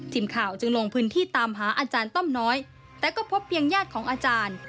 ทีมข่าวจึงลงพื้นที่ตามหาอาจารย์ต้อมน้อยแต่ก็พบเพียงญาติของอาจารย์